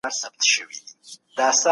سرلوړي یوازي د هغو ده چي تر پایه ولاړ وي.